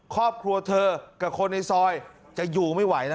ครอบครัวเธอกับคนในซอยจะอยู่ไม่ไหวนะ